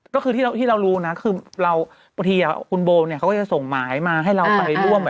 ก็คือที่เรารู้นะคือเราบางทีคุณโบส่งหมายมาให้เราไปร่วม